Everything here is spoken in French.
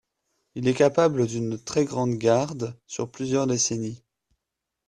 Il est capable d'une très grande garde, sur plusieurs décennies.